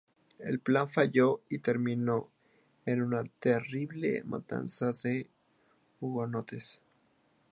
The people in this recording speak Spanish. El plan falló y terminó en una terrible matanza de hugonotes.